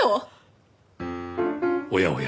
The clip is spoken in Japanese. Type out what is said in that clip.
おやおや。